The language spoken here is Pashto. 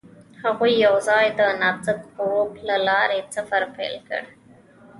هغوی یوځای د نازک غروب له لارې سفر پیل کړ.